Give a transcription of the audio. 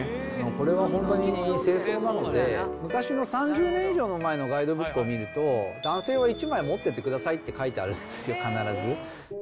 これは本当に正装なので、昔の３０年以上も前のガイドブックを見ると、男性は１枚持っててくださいって書いてあるんですよ、必ず。